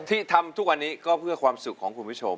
ที่ทำทุกวันนี้ก็เพื่อความสุขของคุณผู้ชม